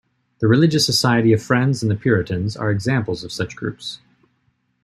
The Religious Society of Friends and the Puritans are examples of such groups.